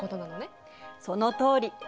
そのとおり。